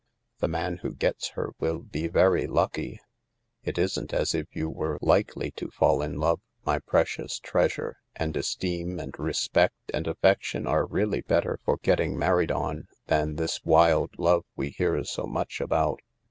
The man who gets her will be very lucky. It isn't as if you were likely to fall in love, my precious treasure ; and esteem and respect and affection are really better for getting married on than this wild love we hear so much about.